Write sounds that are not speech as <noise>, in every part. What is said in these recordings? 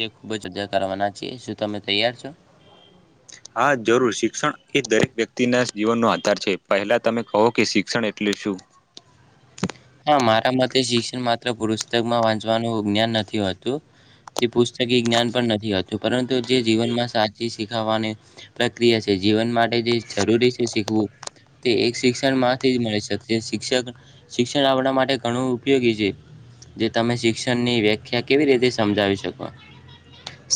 તે ખૂબ જ અદા કરવાના છે. શું તમે તૈયાર છો? હા, જરૂર શિક્ષણ એ દરેક વ્યક્તિના જીવનનો આધાર છે. પહેલા તમે કહો કે શિક્ષણ એટલે શું? હા, મારા માટેતે શિક્ષણ માત્ર પુરુષ પતકમાં વાંચવાનું જ્ઞાન નથી હતું. તે પુસ્ત જ્ઞાન પણ નથી હતું. પરંતુ, જે જીવનમાં સાચી શીખાવાની પ્રક્રિયા છે. જીવન માટે જે જરૂરી છે. શીખવું તે એક શિક્ષણ માંથી જ મળી શકે શિક્ષક શિક્ષણ આપણા માટે ઘણું ઉપયોગી છે. જે તમે શિક્ષણની વ્યાખ્યા કેવી રીતે સમજાવી શકો?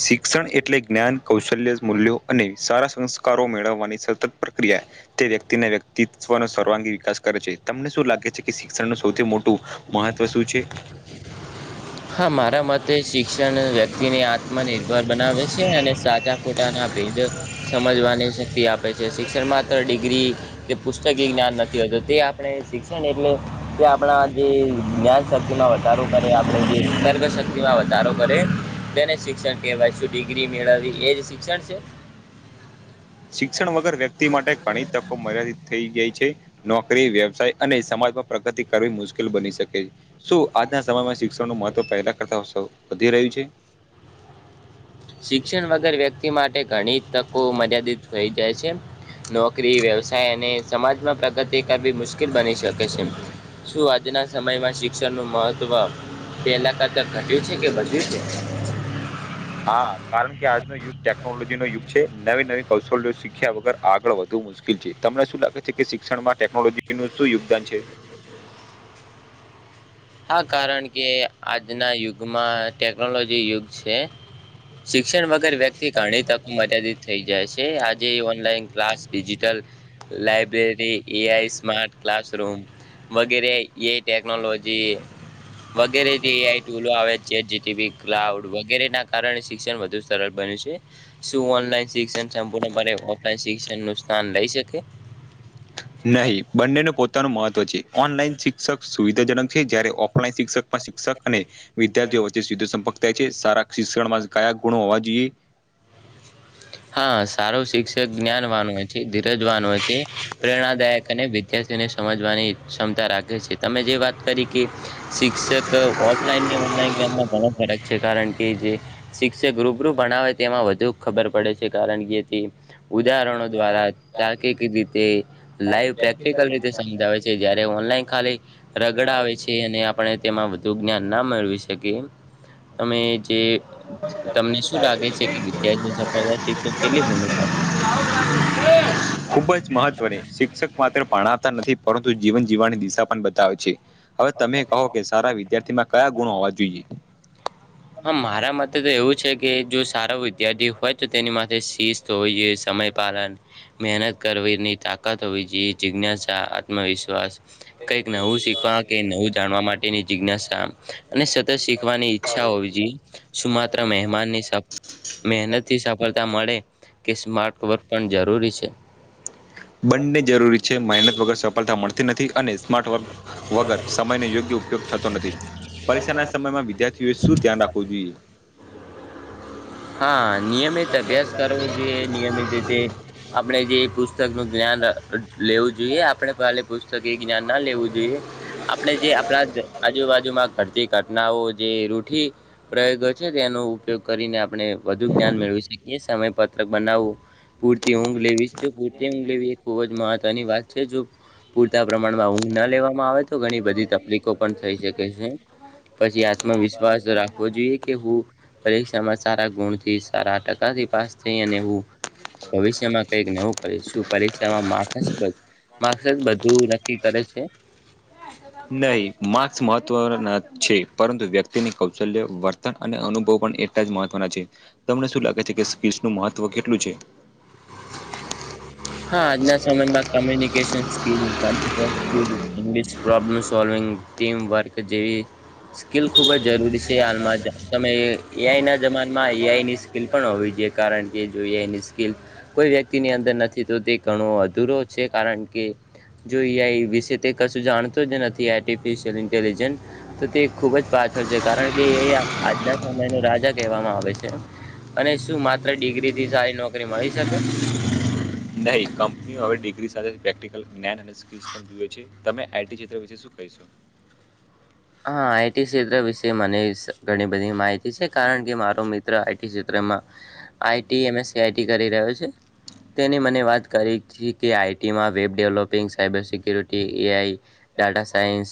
શિક્ષણ એટલે જ્ઞાન કૌશલ્ય મૂલ્યો અને સારા સંસ્કાર કારો મેળવવાની સતત ક્રિયા તે વ્યક્તિના વ્યક્તિ. ન સર્વાંગી વિકાસ કરે છે તમને શું લાગે છે કે શિક્ષણ ન સૌથી મોટું મહત્વ શું છે. હા મારા મતે શિક્ષણ વ્યક્તિને આત્મનિર્ભર બનાવે છે અને સાચા ખોટાના ભેદ સમજવાની છે. શક્તિ આપે છે શિક્ષણ માત્ર ડિગ્રી કે પુસ્તકી જ્ઞાન નથી હોતું તે આપણે શિક્ષણ એટલે તે આપણા જે જ્ઞાન શક્તિમાં વધારો કરે આપણે ગ શક્તિમાં વધારો કરે તેને શિક્ષણ કહેવાય શું ડિગ્રી મેળવી એ જ શિક્ષણ છે. શિક્ષણ વગર વ્યક્તિ માટે ઘણી તકો મર્યાદિત થઈ ગઈ છે. નોકરી વ્યવસાય અને સમાજમાં પ્રગતિ કરવી મુશ્કેલ બની શકે છે શું આજના સમયમાં ન મહત્વ પદા કરતાત વધી રહ્યું છે. શિક્ષણ વગર વ્યક્તિ માટે ઘણી તકો મર્યાદિત થઈ જાય છે નોકરી વ્યવસાય અને સમાજમાં પ્રગતિ કરવી મુશ્કેલ બની શકે છે શું આજના સમયમાં શિક્ષણનું મહત્વ પહેલા કરતા ઘટ્યું છે કે વધ્યું છે. હા. કારણ કે આજનો યુગ ટેકનોલોજી. ન યુગ છે નવી નવી કૌશલ્ય શીખ્યા વગર આગળ વધુ મુશ્કેલ છે તમને શું લાગે છે કે શિક્ષણમાં ટેકનોલોજીનું શું યોગદાન છે <unintelligible> હા કારણ કે આજના યુગમાં ટેક્નોલોજી યુગ છે. શિક્ષણ વગર વ્યક્તિ ઘણી તકો મર્યાદિત થઈ જાય છે આજે online class digital library AI smart classroom વગેરે એઆઈ ટેકનોલોજી વગેરે જે એઆઈ ટૂલો આવે જે જીટીવી ક્લાઉડ વગેરેના કારણે શિક્ષણ વધ સરળ બને છે શું <unintelligible> શિક્ષ શિક્ષણ ન સ્થાન લઈ શકે નહીં બંનેનું પોતાનું મહત્વ છે ઓનલાઈન શિક્ષક સુવિધાજનક છે જ્યારે ઓફલાઈન શિક્ષકમાં શિક્ષક અને વિદ્યાર્થીઓ વ્ચેયુદધ સંપક થાય છે સારા શિક્ષણમાં કયા કોણવા જએ હા. સારું શિક્ષક જ્ઞાન વાન છે ધીરજ વાન છે પ્રેરણાદાયક અને વિદ્યાર્થીને સમજવાની ક્ષમતા રાખે છે તમે જે વાત કરી. કે શિક્ષક ઓફલાઈનની ઓનલાઈન ગેમમાં ઘણો ફરક છે કારણ કે કે જે શિક્ષક રૂબરૂ ભણાવે તે એમાં વધુ ખબર પડે છે ઉદાહરણો દ્વારા રી લ પ્રેક્ટિકલ રીતે સમજાવે છે જ્યારે ઓનાલી રગડ આવે છે અને આપ તે વધુ જ્ઞાન ના મેળવી શકી જે તમને શું લાગે છે કે વિાર્ ખુબ જ મહત્વની શિક્ષક માત્ર પાણતા નથી પરંતુ જીવન જીવન દિશા પણ બતાવે છે હવે તમે કહો કે સારા વિદ્યાર્થીમાં કયા ગુણો હોવા જોઈએ હા મારા મતે તો એવું છે કે જો સારો વિદ્યાર્થી હોય તો તેની માટે શિસ્ત હોવી જોઈએ સમયપલન મહેનત કરવીની તાકાત હોવી જોઈએ જિજ્ઞાસા આત્મવિશ્વાસ કંઈક નવુ શીખવા કે નવું જાણવા માટેની જિજ્ઞાસા અને સતત શીખવાની ઈચ્છા હોવી જોઈએ શું માત્ર મમાનની મહેનત થી સફળતા મળે કે સ્માર્ટ વર્ક પણ જરૂરી છે બંને જરૂરી છે મહેનત વગર સફળતા મળતી નથી અને સ્માર્ટ વર્ક વગર સમયને યોગ્ય ઉપયોગ થતો નથી પરીક્ષાના સમયમાં વિદ્યાર્થીઓએ શું ધ્યાન રાખવું જોઈએ હા નિયમિત અભ્યાસ કરવો જોઈએ નિયમિત રીતે આપણે જે એ પુસ્તક નું જ્ઞાન લેવું જોઈએ આપણે કાલે પુસ્તક એ જ્ઞાન ના લેવું જોઈએ આપણે જે આપણા આજુબાજુમાં ઘટતી ઘટનાઓ જે રૂટી પ્રયોગો છે તેનો ઉપયોગ કરીને આપણે વધુ જ્ઞાન મેળવી શકીએ સમય પર બનાવ પૂરતી ઊંઘ લેવી પૂરતી ઊંઘ લેવી એ ખૂબ જ મહત્વની વાત છે જો પૂરતા પ્રમાણ પણ ઉઘ ના લેવામાં આવે તો ઘણી બધી તકલીફો પણ થઈ શકે છે પછી આત્મવિશ્વાસ રાખવો જોઈએ કે હું પરીક્ષામાં સારા ગુણ થી સારા ટકાથી પાસ થઈ એને એવુ ભવિષ્યમાં કઈક નવું કરીશું પરીક્ષામાં મા મારૂ બધું નક્કી કરે છે? નહી માર્ક્સ મહત્વ છે પરંતુ વ્યક્તિની કૌશલ્ય વર્તન અને અનુભવ પણ એટલા જ મહત્વના છે તમને શું લાગે છે કે નું મહત્વ કેટલું છે હા આજના સમય બાદ તમે <unintelligible> તે હાલમાં જ તમે એઆઈ ના જમામાં એઆઈની સ્કિલ પણ હોવી જોઈએ કારણ કે જો એનિ સ્કિલ કોઈ વ્યક્તિની અંદર નથી તો તે ઘણો અધુરો છે કારણ કે જો એ વિશે તે કશું જાણતો જ નથી આર્ટિફિશયલ ઇન્ટેલજસ તો તે ખુબ જ પાછળ છે કારણ કે એ આજના સમય ન રાજા કહેવામાં આવે છે અને શું માત્ર ડિગ્રીથી સારી નોકરી મળી <unintelligible> નહી કંપની હવે ડિગ્રી સાથે પ્રેક્ટિકલ <unintelligible> હા આઈ ટીસીએ વિશેય મનેવી ઘણી બધી માહિતી છે કારણ કે મારો મિત્ર આઈટી ક્ષેત્રમાં આઈટી એમએસ સઆઈટી કરી રહ્યો છે તેની મને વાત કરી છે કે આઈટીમાં web developing cyber security AI data science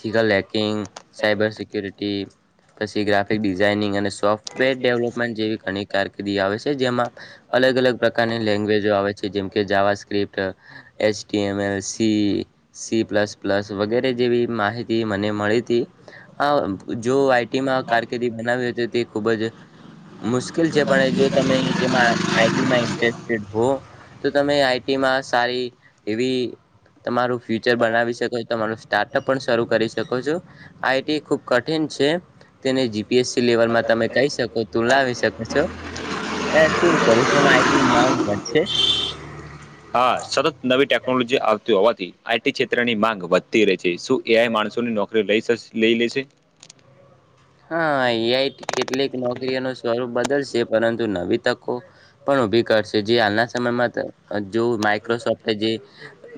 ethical hacking cyber security પછી ગ્રાફિક ડિઝઇનિંગ અને સોફ્ટવેર ડેવલપમેન્ટ જેવી ઘણી કારકિર્દી આવે છે જેમાં અલગ અલગ પ્રકારની લેંગ્વેજો આવે છે જેમ કે JavaScript HTML C C plus plus વગેરે જેવી <unintelligible> માહિતી મને મળી તી અ જો આઈટી મા કારકિર્દી બનાવે ખુબ જ મુશ્કેલ છે પણ જો તમે તેમાં આઈટીમાં ઇન્ટરેસ્ટેડ હો તો તમે આઈટીમાં સારી એવી તમારું ફ્યુચર બનાવી શકો તમારૂ સ્ટાર્ટ શરૂ કરી શકો છો આઇટી ખુબ કઠિન છે તેને જીપીએસસી લેવલમાં તમે કહી શકો તું લાવ છો એ શું ભવિષ્યમાં આઈટી માંગ વધશે હા સતત નવી ટેકનોલોજી આવતી હોવાથી આઈ ટી ક્ષેત્રની માંગ વધતી રહી છે એ આઈ માણસોની નોકરી લઈ શકશે લય લેજે હા એઆઈ કેટલીક નોકરીઓનું સ્વરૂપ બદલશે પરંતુ નવી તકો પણ ઉભી કરશે જે હાલના સમયમાં જો માઈક્રોસોફ્ટ જે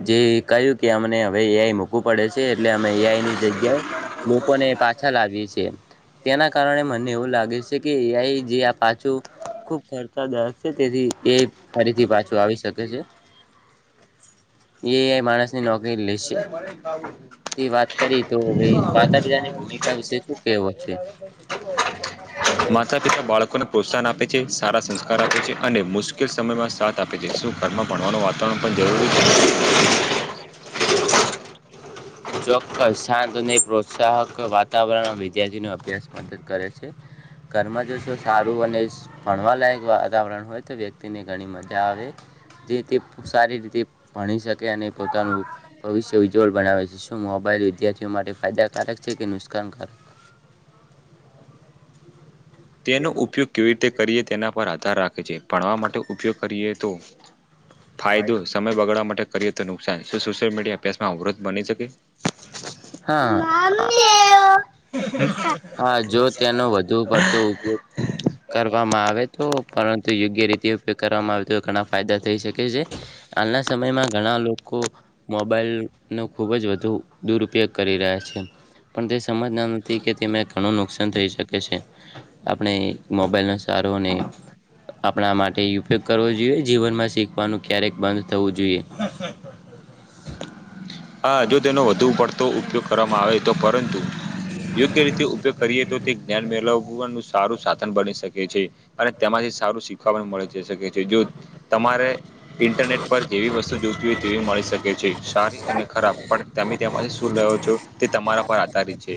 જે કહ્યું કે અમને હવે એઆઈ મૂકવું પડે છે એટલે અમે એઆઈ ની જગ્યાએ લોકોને પાછા લાવીએ છીએ તેના કારણે મને એવું લાગે છે કે એ જે આ પાછું ખૂબ ખર્ચાદાયક છે તેથી એ ફરીથી પાછું આવી શકે છે એઆઈ માણસની નોકરી લેશે <unintelligible> તે વાત કરી તો ભાઈ માતા પિતાની ભૂમિકા વિશે શું કેવો છે? માતા પિતા બાળકોને પ્રોત્સાહન આપે છે સારા સંસ્કાર આપે છે અને મુશ્કે મુશકેલ સમયમાં સાથ આપે છે શું ઘરમાં ભણવાનું વાતાવરણ પણ જરૂરી છે ચોક્કસ શાંત અને પ્રોત્સાહક વાતાવરણમાં વિદ્યાર્થી ને અભ્યાસ મદદ કરે છે ઘરમાં જો સારું અને ભણવા લાયક વાતાવરણ હોય તો ઘણી મજા આવે જે તી સારી રીતે ભણી શકે અને પોતાનું ભવિષ્ય ઉજ્જવલ બનાવે છે શું મોબાઈલ વિદ્યાર્થીઓ માટે ફાયદાકારક છે કે નુકાનકારક તેનો ઉપયોગ કેવી રીતે કરીએ તેના પર આધાર રાખે છે ભણવા માટે ઉપયોગ કરીએ તો ફાયદો સમય બગાડવા માટે કરીએ તો નુકસાન શું સોશિયલ મીડિયા અભ્યાસમાં અવરોધ બની શકે હા હા જો તેનો વધુ પડતો ઉપયોગ કરવામાં આવે તો પરંતુ યોગ્ય રીતે ઉપયોગ કરવામાં આવે તો ઘણા ફાયદા થઈ શકે છે હાલના સમયમાં ઘણા લોકો મોબાઈલ નો ખુબ જ વધુ ઓ દુરુપયોગ કરી રહ્યા છે પણ તે સમજના નથી કે તેમને ઘણું નુકસાન થઈ શકે છે આપણે મોબાઈલનો ચારોને આપણા માટે ઉપયોગ કરવો જોઈએ જીવનમાં શીખવાનું ક્યારેક બંધ થવું જોઈએ હા જો તેનો વધ વધુ પડતો ઉપયોગ કરવામાં આવે તો પરંતુ યોગ્ય રીતે ઉપયોગ કરીએ તો તે જ્ઞાન મેળવવાનું સારું સાધન બની શકે છે અને તેમાંથી સારું શીખવા પણ મળી શકે છે જો તમારે ઇન્ટરનેટ પર જેવી વસ્તુ જોતી હોય તેવી મળી શકે છે સારી અને ખરાબ પણ તમે તેમાંથી શું રહ્યો છો તે તમારા પર આધારિત છે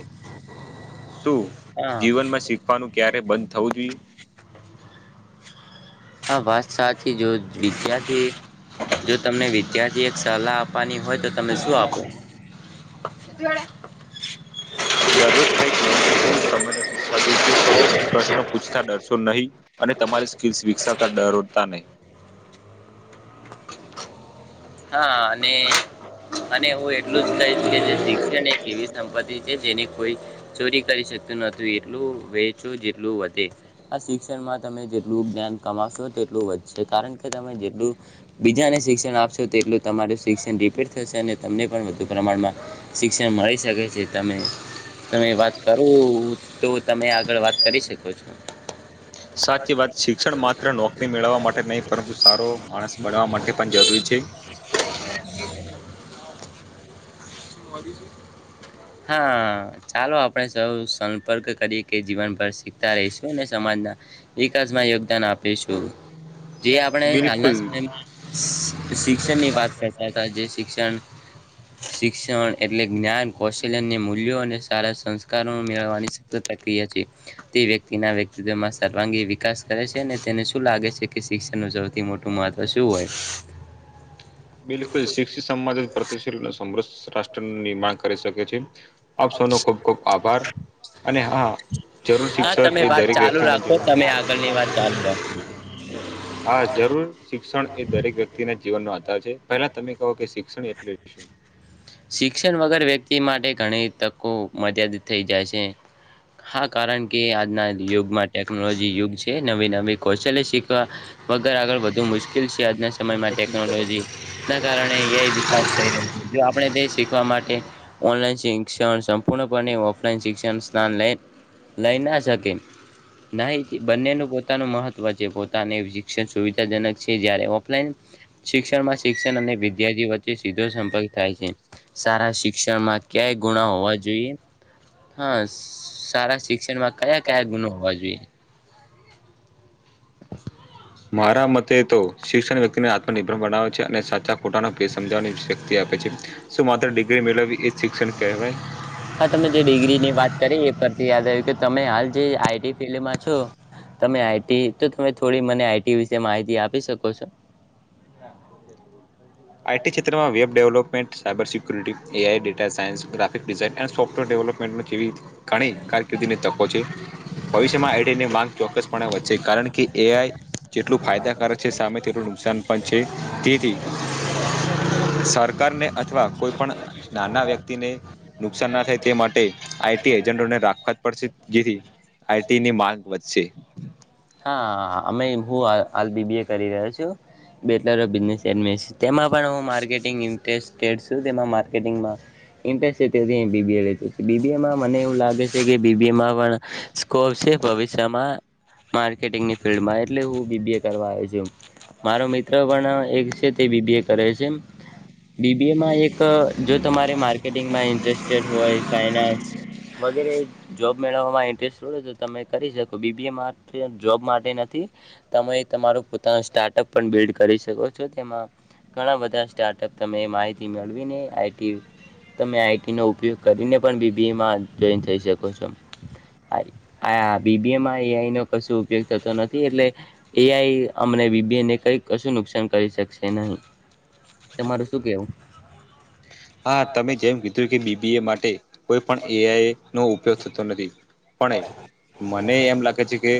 શું હા જીવનમાં શીખવાનું ક્યારે બંધ થવું જોઈએ. <inaudible> હા બસ સા. જો વિદ્યાર્થી જો તમને. ત્યાંથી એક સલાહ આપવાની. હોય તો તમે શું આપો. એડા <inaudible> દરરોજ કઈકું તને પ પ્રશ્ન પૂછતા ડરશો ન. નહી અને તમારી સ્કસ વિકસાવતા ડરોતા નહીં. હા અને. અને હું એટલું જ કહીશ કે જે શિક્ષણ એક એવી સંપતિ છે જેની કોઈ ચોરી કરી શકતું નથી એટલું વેચો જેટલું વધે આ શિક્ષણમાં તમે જેટલું જ્ઞાન કમાશો તેટલું વધશે કારણ કે તમે જેટલું બીજાને શિક્ષણ આપશો. તેટલું તમારું શિક્ષણ ડિપીટ થશે અને તમને પણ વધુ પ્રમાણમાં શિક્ષણ મળી શકે છે તમે તમે વાત કરો તો તમે આગળ વાત કરી શકો છો. સાચી વાત શિક્ષણ માત્ર નોકરી મેળવવા માટે નહીં પરંતુ સારો માણસ બનવા માટે પણ જરૂરી છે. <inaudible> હા ચાલો આપણે સૌ સંપર્ક કરી કે જીવનભર શીખતા રહીશું અને સમાજના વિકાસમાં યોગદાન આપીશું જે આપણે હાલના બિલકુલ સમયમાં. શિક્ષણ ની વાત કરતા હતા જે શિક્ષણ. ્ શિક્ષણ એટલે જ્ઞાન કૌશલ્યને મૂલ્યો અને સારા સંસ્કારો મેળવવાની સતા ક્રિયા છે તે વ્યક્તિના વ્યક્તિતવમાં સર્વાંગી વિકાસ કરે છે અને તેને શું લાગે છે કે શિક્ષણ ન સૌથી મોટું મહત્વ શું હોય. બિલકુલ શિક્ષિત સમાજ પ્રતિશીલ સમ. રાષ્ટ્રનું નિર્માણ કરી શકે છે. આપ સૌનો ખૂબ ખૂબ આભાર અને હા જરૂર હા શિક્ષણ તમે એ વાત દરેક ચાલુ વ્યક્તિના રાખો જીવ. તમે આગળની વાત ચાલુ રાખો હા જરૂર શિક્ષણ એ દરેક વ્યક્તિ ના જીવનનોો આધાર છે પેલા તમે. ક કે શિક્ષણ એટલેું શું. શિક્ષણ વગર વ્યક્તિ માટે ઘણી તકો મર્યાદ થઈ જાય છે. તે <inaudible> હા કારણ કે આજના યુગમાં ટેકનોલોજી યુગ છે નવી નવી કૌશલ્ય શીખવા વગર આગળ વધુ મુશ્કેલ છે આજના સમયમાં બસ. ટેકનોલોજી ના કારણે વિકાસ થઈ રહ્યો છે. શીખવા માટે ઓનલાઈન શિક્ષણ સંપૂર્ણપણે ઓફલાઈન શિક્ષણ. અ સ્થાન લે લઈના છે. જગન <inaudible> ના બંનેનું પોતાનું મહત્વ છે પોતાને શિક્ષણ સુવિધાજનક છે જારે ઓફલાઈન શિક્ષણમાં શિક્ષણ અને વિદ્યાર્થી વચ્ચે સીધો સંપર્ક. થાય છે સારા શિક્ષણમાં ક્યા ગુણા હોવા જોઈએ હ સારા શિક્ષણમાં કયા કયા ગુણો હોવા જોઈએ. મારા મતે તો શિક્ષણ વ્યક્તિને આત્મનિર્ભર પણ બનાવવે છે અને સાચા ખોટા એ સમજાવવાની શક્તિ આપે છે શું માત્ર ડિગ્રી મેળવી એ શિક્ષણ કેવાય હા તમે જે ડિગ્રીની વાત કરી એ પરથી યાદ આવ્યું કે તમે હાલ જે આઈટી ફિલ્ડમાં છો તમે આઈટી તો તમે થોડી મને આઈટી વિશે માહિતી આપી શકો છો આઈટી ક્ષેત્રમાં web development cyber security A I data science graphic design અને સોફ્ટવેર ડેવલપમેન્ટ જેવી ઘણી કારકિર્દીની તકો છે ભવિષ્યમાં એઈટીની માંગ ચોક્કસપણે વધસે કારણ કે કે એઆઈ જેટલું ફાયદાકારક છે સામે તેટલું નુકસાન પણ છે તેથી સરકારને અથવા કોઈ પણ નાના વ્યક્તિ ને નુકસાન ના થાય તે માટે આઈટી એજન્ટોને રાખવા પડશે. જીથી આઈટી ની માંગ વધશે. હા અમે હું હાલ બીબીએ કરી રહો છું બેચલર ઓફ બિઝનેસ મેનેજર <unintelligible> મને એવું લાગે છે કે સ્કોપ છે ભવશ્યામાં માર્કેટિંગની ફિલ્ડમાં એટલે હું બીબીએ કરવા આયો છું મારો મિત્ર પણ એક છે તે બીબીએ કરે છે બીબીએમાં એક જો તમારે માર્કેટિંગમાં ઇન્ટરેસ્ટેડ હોય ફાઈનાન્સ વગેરે જોબ મેળવવામાં ઇન્ટરેસ્ટ હોય તો તમે કરી શકો બીબીએમાં જોબ માટે નથી તમે તમાર પોતા સ્ટાર્ટઅ પણ બીડ કરી શકો છો તેમાં ઘણા બધા સ્ટાર્ટ અપ માહિતી મેળવી આઈટી ન ઉપયોગ કરીને પણ બીબીએ મા જોઈન થઈ શકો છો બીબીએ માં એ આઈ કશું ઉપયોગ થતો નથી એટલે એઆઈ અમને બીબીને કઈ કશું નુકસાન કરી શકશે નહીં. તમારું શું કહેવું હા તમે જેમ કીધું કે બીબીએ માટે કોઈ પણ એઆઈ નો ઉપયોગ થતો નથી પણ મને એમ લાગે છે કે